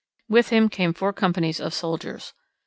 With him came four companies of soldiers.